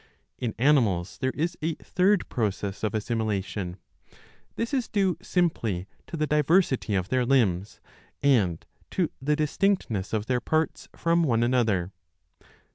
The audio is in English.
In animals there is a third process of assimilation ; this is due simply to the diversity of their limbs and to the distinctness of their parts from one another.